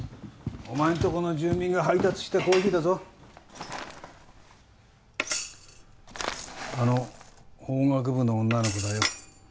お前んとこの住民が配達したコーヒーだぞあの法学部の女の子だよ